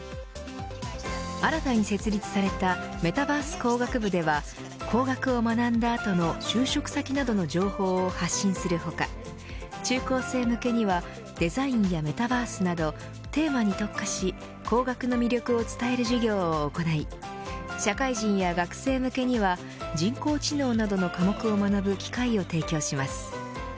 新たに設立されたメタバース工学部では工学を学んだ後の就職先などの情報を発信する他中高生向けにはデザインやメタバースなどテーマに特化し工学の魅力を伝える事業を行い社会人や学生向けには人工知能などの科目を学ぶ機会を提供します。